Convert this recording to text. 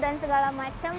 dan segala macem